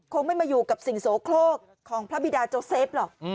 คงไม่มาอยู่กับสิ่งโสโครกของพระบิดาโจเซฟหรอก